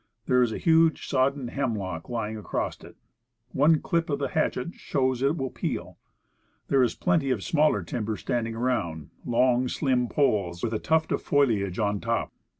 There is a huge soddened hemlock lying across it. One clip of the hatchet shows it will peel. There is plenty of smaller tim ber standing around; long, slim poles, with a tuft of foliage on top.